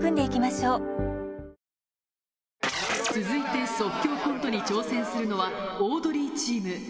続いて即興コントに挑戦するのはオードリーチーム。